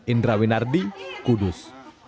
indra winardi kudus